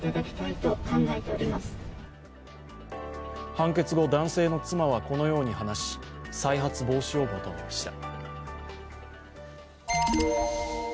判決後、男性の妻はこのように話し、再発防止を求めました。